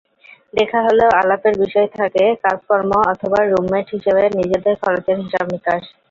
দেখা হলেও আলাপের বিষয় থাকে কাজকর্ম অথবা রুমমেট হিসেবে নিজেদের খরচের হিসাব-নিকাশ।